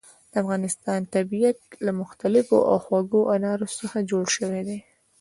د افغانستان طبیعت له مختلفو او خوږو انارو څخه جوړ شوی دی.